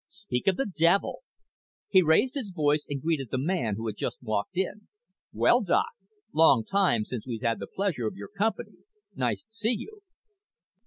"Speak of the devil." He raised his voice and greeted the man who had just walked in. "Well, Doc. Long time since we've had the pleasure of your company. Nice to see you."